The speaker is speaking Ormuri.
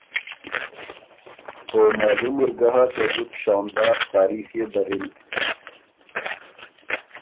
او معلوم اِر ګۀ هۀ که زُت شاندار تاریخ يې دَرِن،